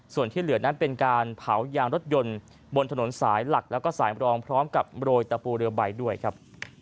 ส่วนที่เหลือนั้นเป็นการเผายางรถยนต์บนถนนสายหลักแล้วก็สายมรองพร้อมกับโรยตะปูเรือใบด้วยครับ